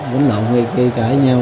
bánh lộn hay cãi nhau